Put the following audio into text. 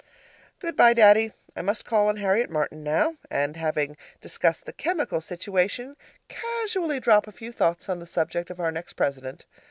Goodbye, Daddy. I must call on Harriet Martin now, and, having discussed the chemical situation, casually drop a few thoughts on the subject of our next president.